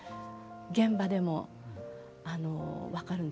現場でも分かるんですよね。